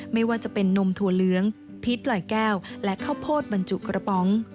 ไม่ว่าจะเป็นนมถั่วเหลืองพีชปล่อยแก้วและข้าวโพดบรรจุกระป๋อง